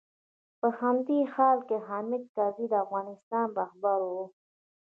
په همدې حال کې حامد کرزی د افغانستان رهبر و.